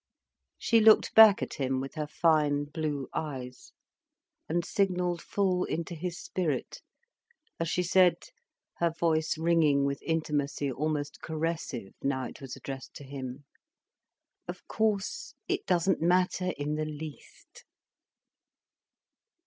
She looked back at him, with her fine blue eyes, and signalled full into his spirit, as she said, her voice ringing with intimacy almost caressive now it was addressed to him: "Of course, it doesn't matter in the least."